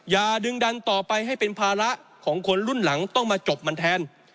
อย่าดึงดันต่อไปให้เป็นภาระของคนรุ่นหลังต้องมาจบมันแทน